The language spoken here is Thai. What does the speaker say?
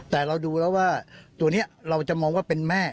แต่เราดูแล้วว่าตัวนี้เราจะมองว่าเป็นแม่